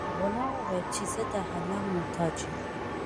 غلام وویل چې زه د الله محتاج یم.